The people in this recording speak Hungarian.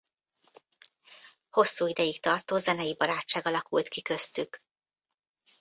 Hosszú ideig tartó zenei barátság alakult ki köztük.